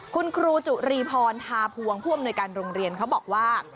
คุณครูจุรีพรทาพวงผู้อำนวยการโรงเรียนเขาบอกว่า